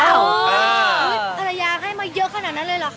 ภรรยาให้มาเยอะขนาดนั้นเลยเหรอคะ